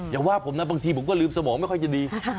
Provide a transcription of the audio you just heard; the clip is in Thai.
อย่าว่าผมนะบางทีผมก็ลืมสมองไม่ค่อยจะดี